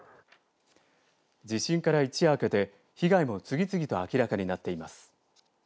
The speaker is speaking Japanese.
地震から一夜明けて被害も次々と明らかになっています。